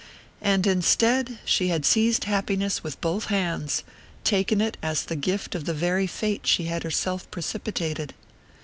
And instead, she had seized happiness with both hands, taken it as the gift of the very fate she had herself precipitated!